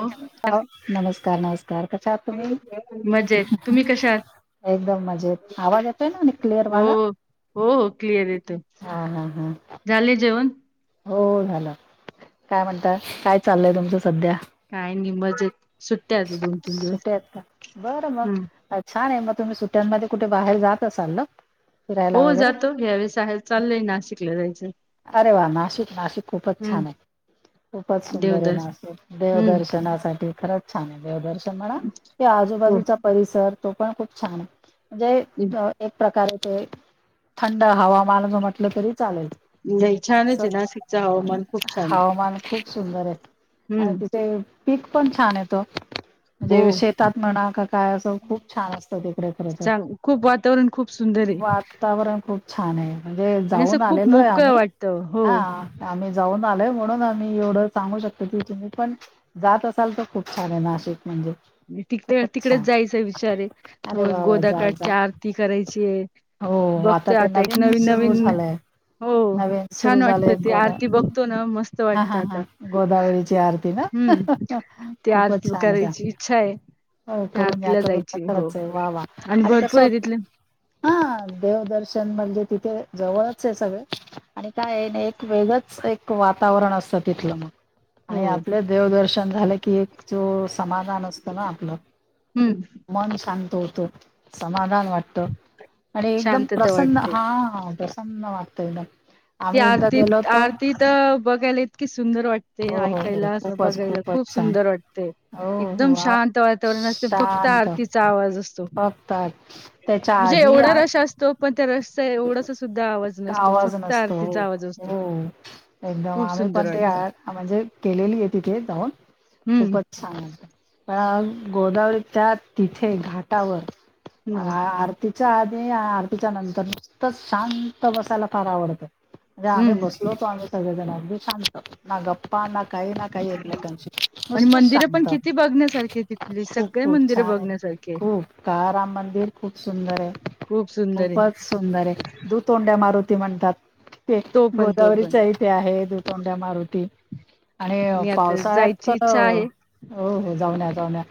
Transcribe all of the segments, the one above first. हो ह नमस्कार नमस्कार कशा आहात तुम्ही. मजेत तुम्ही कशा आहात एकदम मजेत, आवाज येतोय ना क्लिअर हो माझा. हो क्लिअर येत हा हा हा झाले जेवण. हो झाल, काय म्हणतात काय चाललंय तुमचं सध्या? काय नाही मजेत सुट्ट्या दोन तीन दिवस सुट्ट्या आहेत का? बरं मग हम्म. अ, छान आहे मग तुम्ही सुट्ट्यांमध्ये कुठे बाहेर जात असालना. हो जातो ह्यावेेळेसहेर चाललंय नाशिकला जायचं. अरे वा मासिक नासिक खूपच हम्म छान आहे. खूपच सुंदर ये देवदास नाशिक हम्म देवदर्शनासाठी खरंच. छान आहे. देवदर्शन म्हणा, ते हो आजूबाजूचा परिसर तो पण खूप छान आहे. हम्म. म्हणजे एक प्रकारे ते थंड हवामालग म्हटलं तरी चालेल. नई. सं हवामान खूप सुंदर आहे. हम्म आणि तिथे- पीक पण छान येतं. हो म्हणजे शेतात म्हणा का काय असं खूप छान असतं तिकडे खर तर. चांग खूप वातावरण खूप सुंदर आहे वात्- तावरण खूप छान आहे म्हणजे आणि असं जाऊन खूप आलेलो हाय मोकळं आम्ही. वाटतं हो हं आम्ही जाऊन आलोय म्हणून आम्ही एवढं सांगू शकतो की, तुम्ही पण- जात असाल तर खूप छान आहे नाशिक म्हणजे. तिक- खूपच तिकडेच छान. जायचं विचार है अरे होय वा वा गोदा जा जा काठची आरती करायचीय. हो बघतेय ते आता एक नवीन सुरू नवीन. झालंय. हो नवीन सुरू छान झालंय वाटत ते गोरा आरती बघतो ना मस्त हा वाटत हा हा आता. गोदावरीची आरती ना हम्म, ती खूपच आरती छान आहे त्या करायची. इच्छा है हो त्या करून या आरतीला करून या जायची हो खरंच आहे आणि भरपूर आहे तिथले- हंअ् देवदर्शन म्हणजे तिथे जवळच आहे सगळं. आणि काय आहे न एक वेगळच एक वातावरण असतं तिथलं मग. हो आणि आपले देवदर्शन झालं की, एक जो समाधान असतो ना आपलं. हम्म मन शांत होतं, समाधान वाटत. आणि एकदम शांतता प्रसन्न वाटते हां हा प्रसन्न वाटतं एकदम. ती आम्ही एकदा गेलो आरतीत होतो आरती त बघायला इतकी सुंदर वाटतेय हो हो हो ऐकायला अस खूपच बघायला. खूपच खूप छान सुंदर वाटतय. एकदम हो वा शांत वातावरण असतय फक्त शांत आरतीचा आवाज अस्- तो. फक्त त्याच्या म्हणजे आधी आ एवढा रस अस्- तो, पण त्या रसचा एवढासा सुद्धा आवाज नसतो. आवाज फक्- नसतो हो हो हम. एकदम खूप आम्ही सुंदर पण ते वाटतं म्हणजे केलेली आहे तिथे जाऊन. हम्म खूपच- पण गोदावरी त्या तिथे घाटावर. हम्म आ-आरतीच्या आधी आरतीच्या नंतर नुसतंच शांत बसायला फार आवडतं. म्हणजे आम्ही हम्म बसलो होतो. आम्ही सगळेजण. अगदी शांत ना गप् पा ना काही ना काही एकमेकांशी. आणि नुसत मंदिरं पण सांगत किती बघण्यासारखी तिथली खूप सगळे खूप मंदिरं छान आहे. बघण्यासारखी आहे. खूप, काळाराम मंदिर खूप सुंदरे. खूप सुंदरे. सुंदरे. दुतोंड्या मारुती म्हणतात. ते तो पण तो पण गोदावरीचा एक ते आहे दुतोंड्या मारुती. आणि मी आता पावसाळ्यात जायची तर, इच्छा आहे हो हो जाऊन या जाऊन या.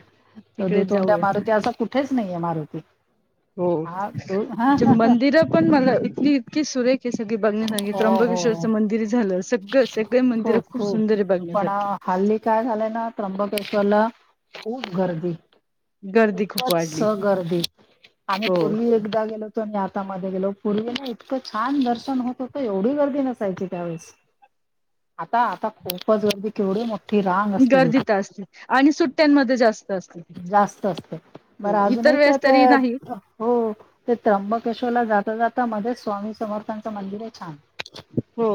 तो तिकडे दुतोंड्या जाऊया. मारुती. असा कुठेच नाहीय मारुती. हो हा दु हा ती हा मंदिर पण मला इथली इतकी सुरेख हे सगळे बघण्यासारखे, हो हो हो त्र्यंबकेश्वरचं मंदिर झालं, सगळं सगळे मंदिर खूप सुंदर आहे पण बघण्यासारखी. हल्ली काय झालंय ना त्र्यंबकेशवला खूप गर्दी. गर्दी खूप खूपच वाढली गर्दी. आम्ही हो पूर्वी एकदा गेलो होतो आणि आत् आता मधी गेलो. पूर्वी ना इतकं छान दर्शन होत होतं. एवढी गर्दी नसायची त्यावेळेस. आता आता खूपच गर्दी. केवढी मोठ् ठी रांग असते गर्दी तिथे. तर असते आणि सुट्ट्यांमध्ये जास्त असते. जास्त असते. हो बरं अजून इतर एक वेळेस ते तरी नाही अ् हो ते त्र्यंबकेश्वरला जाता जाता मध्येच स्वामी समर्थांचं मंदिरे छान. हो.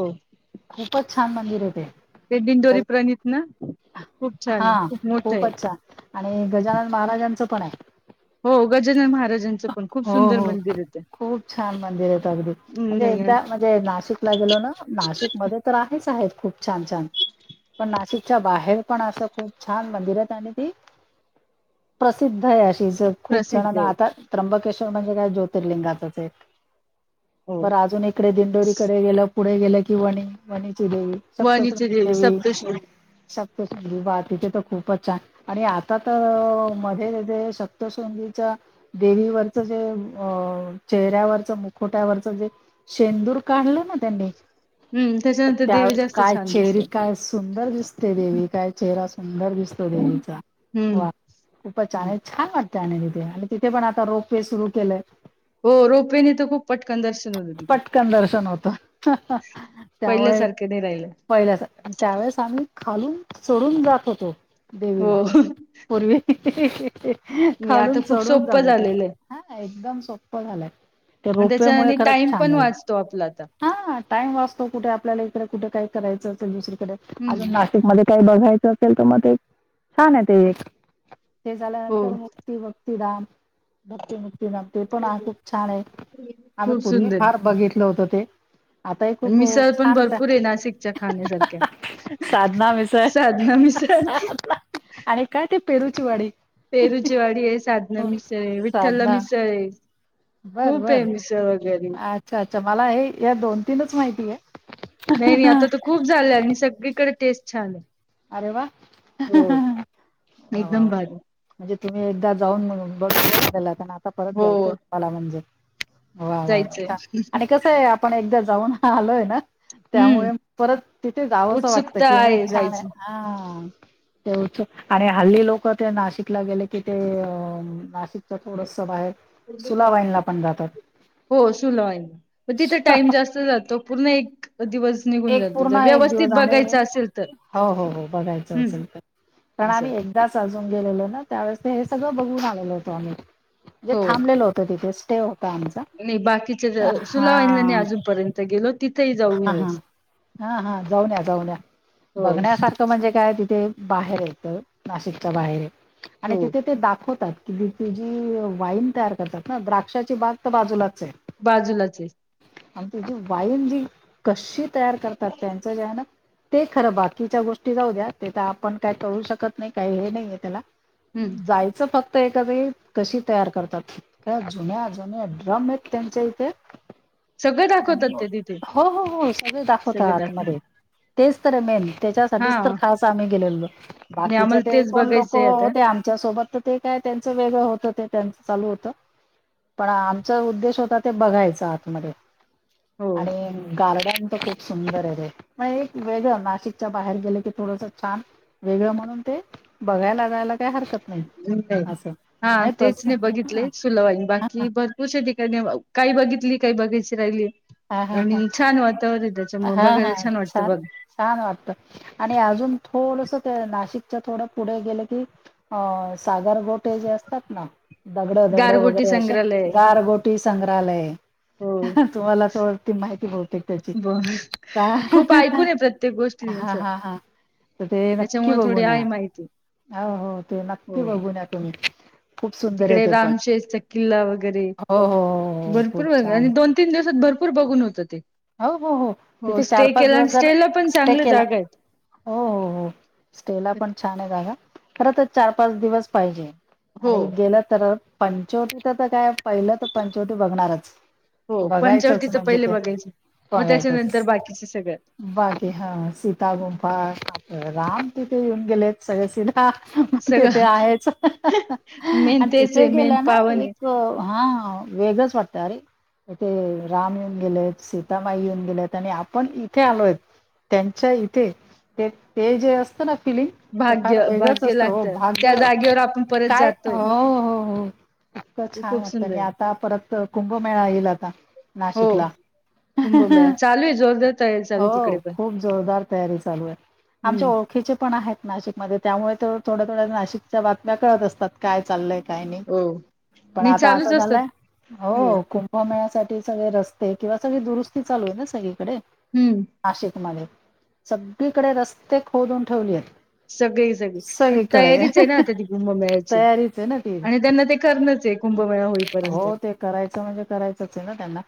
खूपच छान मंदिरे ते. ते दिंडडोरी प्रणित ना? खूप छाने. हा खूप मोठंय. खूपच आणि गजानन महाराजांचं पणे. हो गजानन महाराजांचं पण, खूप हो सुंदर हो मंदिरे ते. खूप छान मंदिरेत अगदी. हम्म म्हणजे नाही एकदा मं जे नाशिकला गेलो ना, नाशिक मध्ये तर आहेच आहे खूप छान छान. पण नाशिकच्या बाहेर पण असं खूप छान मंदिरेत. आणि ती प्रसिद्ध आहे अशीच. खूप प्रसिद्ध आहे जणांना आता त्र्यंबकेश्वर म्हणजे काय, ज्योतिर्लिंगाचचे एक. हो बरं अजून इकडे दिंडोरीकडे गेलं. पुढे गेलं की, वणी. वणीची देवी. वणीचे सप्तशृंगी देवी. सप्तश्री सप्तशृंगी वा तीथे त खूपच छान. आणि आता त मध्ये जे सपतशृंगीच, देवीवरच जे, अ चेहऱ्यावरच, मुखोट्यावरच. जे शेंदूर काढलं ना त्यांनी. हम्म त्याच्यानंतर देवी त्यावेळेस जास्त काय, छान चेहरी दिसते काय सुंदर दिसते देवी. काय चेहरा सुंदर दिसतो देवीचा. हम्म वा खूपच हम्म. छाने. छान वाटतं आणि तिथे. आणि तिथे पण आता रोप वे सुरू केलंय. हो रोपवेेने त खूप पटकन दर्शन होत तिथे. पटकन दर्शन होतं पहिल्यासारखे नाही राहिलं. पहिल्यासारख. त्यावेेळेस आम्ही खालून चडून जात होतो. हो देवीला. नाही पूर्वी आता खालून खूप चढून जात सोपं होत्या. झालेलं आहे हा एकदम सोप्प झालंय. ते आणि रोपवे मुळे त्याच्याने खरंच टाइम छान पण झालं. वाचतो आपला आता. हा टाइम वाचतो. कुठे आपल्याला इकडे कुठे काय करायचं असेल दुसरीकडे. अजून हम्म ना शिक मध्ये काही बघायचं असेल त. मग ते छाने ते एक. ते हो झाल्यानंतर म ती भक्ती धाम. भक्तीमुक्ती धाम, ते पण खूप छाने. आम्ही खूप पूर्वी सुंदर फार बघितलं होत ते. आताही आणि खूप मिसळ पण छानचे. भरपूर आहे नाशिकच्या खाण्यासारख्या साधना मिसळ साधना मिसळ आणि काय ते पेरूची वाडी. पेरूचीवाडी हे, साधना मिसळ हे, विठ्ठल साधना मिसळ हे, बर खूप हे बर मिस मिसळ वगैरे. अच्छा अच्छा, मला हे या दोन-तीनच माहिती आहे. नाही नाही, आता तर खूप झाल्या आणि सगळीकडे टेस्ट छान आहे. अरे वा, हो. वा वा एकदम वा. भारी म्हणजे तुम्ही एकदा जाऊन [inaudible] आता परत हो जायचंय तुम्हाला म्हणजे वा वा वा जायचंय छान, आणि कसंय आपण एकदा जाऊन आलोय ना त्यामुळे हम्म परत तिथे जावस वाटतय, उत्सुकता की नाही छान आहे, जायची. हा ते होत आणि हल्ली लोक ते नाशिकला गेले की ते अ नाशिकच्या थोडस बाहेर सुला वाईनला पण जाता. हो सुलवाईन, तिथ टाइम जास्त जातो पूर्ण एक दिवस निघून एक जातो पूर्ण जर एक व्यवस्थित दिवस, आणि बघायचं असेल तर हो हो हो बघायचं हम्म असेल तर कारण असं आम्ही एकदाच अजून गेलेलो ना, त्यावेळेस ते हे सगळं बघून आलेलो होतो आम्ही. म्हणजे हो. थांबलेलो होतो तिथे, स्टे होता आमचा. नाही बाकीचे झा, हा सुलावाईनला नाही अजूनपर्यंत गेलो तिथही जा. हा हा, हा हा जाऊन या जाऊन या. हो बघण्यासारखं म्हणजे काय तिथे बाहेर आहे. त नाशिकच्या बाहेर हे, आणि हो तिथे ते दाखवतात कि तुझी वाईन तयार करतात ना द्राक्षाची बाग तर बाजूलाच आहे. बाजूलाच ये. आणि ती जी वाईन जी कशी तयार करतात, त्यांच जे आहे ना ते खरं, बाकीच्या गोष्टी जाऊ द्या, ते तर आपण काय करू शकत नाही काय हे नाहीे हे त्याला. हम्म जायचं फक्त एखादी कशी तयार करतात त्या जुन्या, जुन्या ड्रम आहेत त्यांच्या इथे. सगळे दाखवतात ते तिथे? हो हो हो, सगळे दाखवता सगळं दाखव आतमध्ये तेच तर मेन ये. हा त्याच्यासाठीच तर खास आम्ही गेलेलो, आणि बाकीच्या आम्हाला ते तेच कोण लोक बघायचंय आता होते, आम च्या सोबत तर ते काय त्यांचं वेगळं होतं, ते त्यांच चालू होतं. पण आमचा उद्देश होता ते बघायच आतमध्ये हो. आणि गार्डन तर खूप सुंदर आहे रे, मग एक वेगळं नाशिकच्या बाहेर गेले की थोडस छान वेगळ म्हणून ते बघायला जायला काय हरकत नाही. [inaudible] असं हा आणि तेच प्रस नाही हां बघितले. सुलवाईन, बाकी भरपूश्या ठिकाणी, काही बघितली काही बघायची राहिली. हां हां आणि छान वातावरण आहे, त्याच्यामुळ हां हां बघायला छान वाटत बघ. छान वाटत, आणि अजून थोडस ते नाशिकच्या थोडं पुढे गेलं की अ सागर गोटे जे असतात ना दगड, दगड गारगोटी वगैरे अशे, संग्रहालय गारगोटी संग्रहालय हो तुम्हाला थोडी माहिती बहुतेक त्याची, ब हा खूप ऐकून आहे प्रत्येक गोष्टी असं हा हा. तर ते नक्की त्याच्यामुळे थोडी बघून या, आहे माहिती हा हो ते नक्की हो बघून या तुम्ही. खूप सुंदर आहे तिकडे ते पण रामशेषचा किल्ला वगैरे, हो हो हो हो भरपूर खूप बघायला आणि छान दोन तीन दिवसात भरपूर बघून होत ते. हो हो हो तिथे चार स्टे पाच केला, दिवस आणि जर स्टे ला पण स्टे चांगल केला जागा आहेत. हो हो हो स्टे ला पण छान आहे जागा, खर तर चार पाच दिवस पाहिजे. हो आणि गेलं तर पंचवटीच तर काय, पहिलं तर पंचवटी बघणारच हो पंचवटी बघायचंच तर म्हणजे पहिले ते बघायचे मग त्याच्यानंतर बाकीचे सगळं [unintelligible] बाकी हा सीता गुंफा राम तिथे येऊन गेलेत सगळे सिंध हा मग सगळं तिथे आहेच. मेन आणि तेच तिथे आहे मेन गेला ना पावन आहे एक हा वेगळंच वाटतं अरे इथे राम येऊन गेले सी सीता माय येऊन गेलेत आणि आपण इथे आलोय त्यांच्या इथे ते जे असतं ना फिलिंग ते फार भाग्य वेगळंच भाग्य असतं हो लागतं त्या भाग्य जागेवर आपण परत काय जातोय हो हो हो इतक ते छान खूप वाटतं सुंदर आणि आहे आता परत कुंभमेळा येईल, आता हो नाशिकला कुंभमेळा चालू आहे जोरदार तयारी चालू हो आहे तिकडे पण खूप जोरदार तयारी चालू आहे, आमच्या हम्म ओ खीचे पणा आहेत नाशिकमध्ये त्यामुळे ते थोड्या थोड्या नाशिकच्या बातम्या कळत असतात काय चाललंय काही नाही हो पण नाही आता असं चालूच असतात झालंय हो कुंभमेळ्यासाठी सगळे रस्ते किंवा सगळी दुरुस्ती चालू आहे ना सगळीकडे हम्म नाशिक मध्ये सगळीकडे रस्ते खोदून ठेवली आहेत. सगळी सगळी सगळीकडे तयारीच आहे ना आता ती कुंभमेळ्याची तयारीच आहे ना ती आणि त्यांना ते करणच हाय हो ते करायचं म्हणजे करायचंच आहे ना त्यांना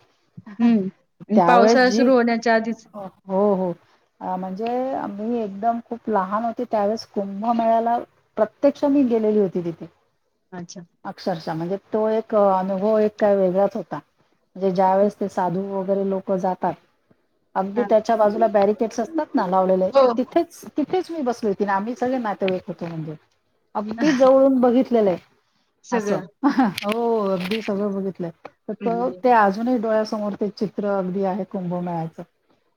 हम्म आणि त्यावेळेस पावसाळा जी सुरू होण्याच्या आधीच हो हो अ म्हणजे मी एकदम खूप लहान होते त्यावेळेस कुंभमेळ्याला प्रत्यक्ष मी गेलेली होती तिथे अच्छा अक्षरशः म्हणजे तो एक अनुभव एक काय वेगळाच होता. म्हणजे ज्यावेेळेस ते साधू वगैरे लोकं जातात. अगदी हा. त्याच्या बाजूला बॅरिकेड्स असतात ना लावलेले हो तिथेच- तिथेच मी बसली होती ना आम्ही सगळे नातेवाईक होतो म्हणजे अगदी जवळून बघितलेलं आहे. असं सगळं हो अगदी सगळं बघितलय, तर हम्म. ते अजूनही डोळ्यांसमोर चित्र अगदी आहे, कुंभमेळ्याचं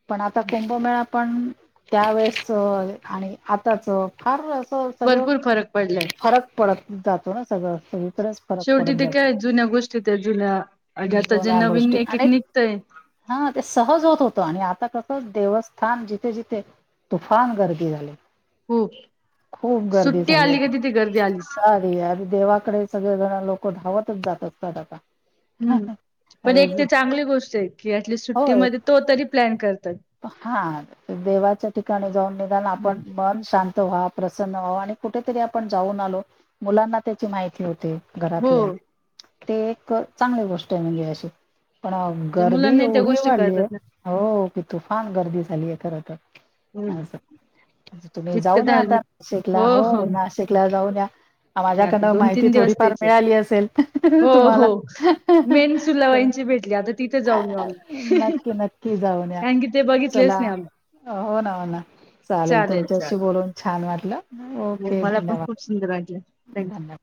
पण आता कुंभमे- पण त्यावेेळेसचं आणि आत्ताचं फार असं सगळं भरपूर फरक पडलाय फरक पडत जातो ना सगळं सगळीकडच फ- शेवटी ते काय जुन्या गोष्टी त्या जुन्या ज्या आता जे जुन्या नवीन गोष्टी एक एक आणि निघतंय. हा ते सहज होत होतं आणि आता कसं देवस्थान जिथे जिथे तुफान गर्दी झालीये. खुप, सुट्टी झाली आली की तिथे गर्दी आलीच. [inaudible] देवाकडे सगळे जणारे लोकं धावतच जात असतात आता. हम्म पण एक ते चांगली गोष्ट आहे की ऑटलिस हो सुट्टीमध्ये तो तरी प्लॅन करतोय. हा देवाच्या ठिकाणी जाऊन निदान आपण मन शांत व्हा प्रसन्न व्हा आणि कुठेतरी आपण जाऊन आलो मुलांना त्याची माहिती होते. हो आपल्या ते एक चांगली गोष्ट आहे म्हणजे अशी पण जे गर्दी मुलांना त्या एवढी गोष्टी वाढली कळतात आहे ना हो की तुफान गर्दी झाली आहे खरं तर. हम्म असं तुम्ही जितकं जाऊन या आता [inaudible] धार्मिक नाशिकला हो नाशिकला जाऊन या. मी आता माझ्याकडंन दोन माहिती तीन दिवस थोडीफार तेच आहे मिळाली आस सेल हो तुम्हाला हो मेन तर सुलाबाईंची भेटली आता तिथे जाऊन येऊ आम्ही नक्की न क्की जाऊन या, कारण की ते बघितलेच चला नाही आम्ही हो ना हो ना, चालेल तुमच्याशी बोलून छान वाटलं. बोलून मला पण खूप सुंदर वाटलं. थँक्यू धन्य